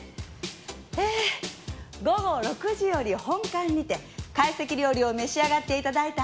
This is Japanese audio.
えー午後６時より本館にて懐石料理を召し上がって頂いた